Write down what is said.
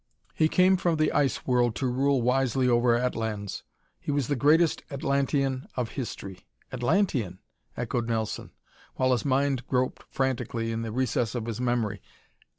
He came from the Ice World to rule wisely over Atlans. He was the greatest Atlantean of history." "Atlantean?" echoed Nelson, while his mind groped frantically in the recess of his memory.